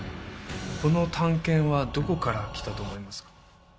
この短剣はどこから来たと思いますか？